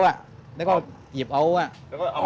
เนี่ยก็หยิบเอาครับ